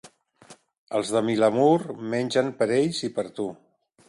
Els de Vilamur, mengen per ells i per tu.